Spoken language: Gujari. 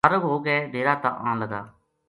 فارغ ہو کے ڈیرا تا آں لگا